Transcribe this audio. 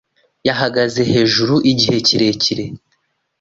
Yahagaze hejuru igihe kirekire.